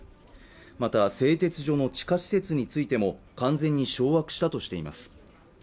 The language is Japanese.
また製鉄所の地下施設についても完全に掌握したとしています